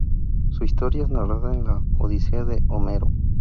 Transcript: Su historia es narrada en la "Odisea" de Homero.